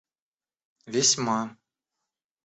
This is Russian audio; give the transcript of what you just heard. весьма